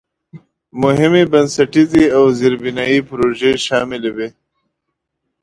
مهمې بنسټیزې او زېربنایي پروژې شاملې وې.